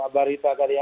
aku ada keluarga saya